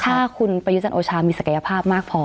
ถ้าคุณประยุจันทร์โอชามีศักยภาพมากพอ